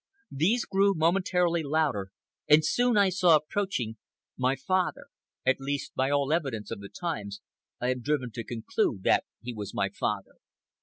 These grew momentarily louder, and soon I saw him approaching, my father—at least, by all the evidence of the times, I am driven to conclude that he was my father.